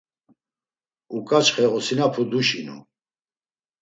Uǩaçxe osinapu duşinu.